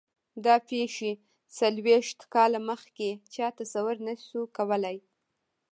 دا پېښې څلوېښت کاله مخکې چا تصور نه شو کولای.